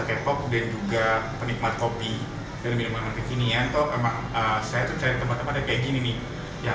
kepo dan juga penikmat kopi dan minuman bikinnya atau emang saya tuh teman temannya begini yang